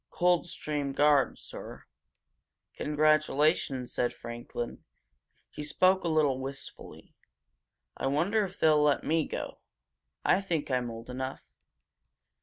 Coldstream Guards, sir." "Congratulations!" said Franklin. He spoke a little wistfully. "I wonder if they'll let me go? I think I'm old enough!